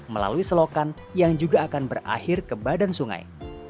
melalui selokan yang juga akan berakhir ke badan sungai